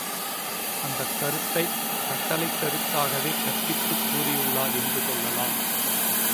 அந்தக் கருத்தைக் கட்டளைக் கருத்தாகவே கற்பித்துக் கூறியுள்ளார் என்றும் கொள்ளலாம்.